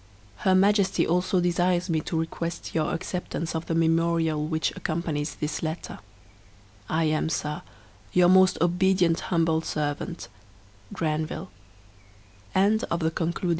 Her Majesty also desires me to request your acceptance of the memorial which accompanies this letter. I am, Sir, Your most obedient humble servant, GRANVILLE GLOSSARY. Boma....... enclosure. Bubu....... black beads. Diwan......